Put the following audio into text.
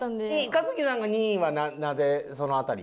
小杉さんの２位はなぜその辺り？